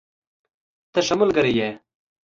ته ښه ملګری یې.